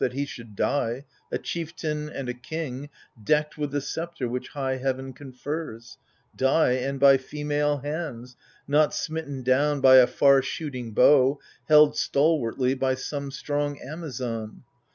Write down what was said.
That he should die, a chieftain and a king Decked with the sceptre which high heaven confers — Die, and by female hands, not smitten down By a far shooting bow, held stalwartly By some strong Amazon.